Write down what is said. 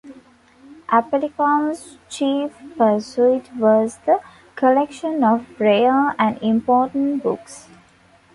Apellicon's chief pursuit was the collection of rare and important books.